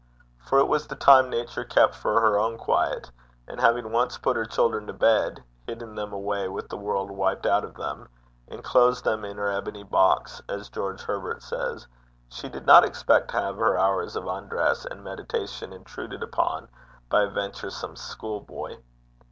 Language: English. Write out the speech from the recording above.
For it was the time Nature kept for her own quiet, and having once put her children to bed hidden them away with the world wiped out of them enclosed them in her ebony box, as George Herbert says she did not expect to have her hours of undress and meditation intruded upon by a venturesome school boy.